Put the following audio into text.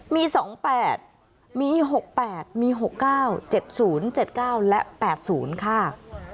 มี๒๘มี๖๘มี๖๙๗๐๗๙และ๘๐ค่ะ